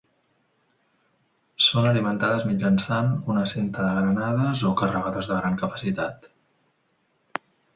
Són alimentades mitjançant una cinta de granades o carregadors de gran capacitat.